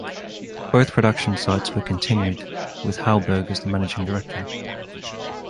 Both production sites were continued with Hauberg as the managing director.